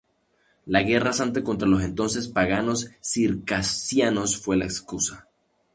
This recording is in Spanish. La guerra santa contra los entonces paganos circasianos fue la excusa.